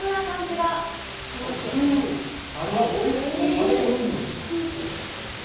カレー風味のスープだね、本当に。